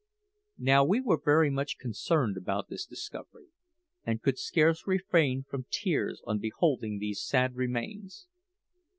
Now we were very much concerned about this discovery, and could scarce refrain from tears on beholding these sad remains.